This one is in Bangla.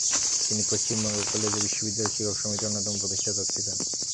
তিনি পশ্চিমবঙ্গ কলেজ ও বিশ্ববিদ্যালয় শিক্ষক সমিতির অন্যতম প্রতিষ্ঠাতা ছিলেন।